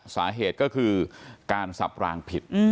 สาเหตุก็คือการสับรางผิด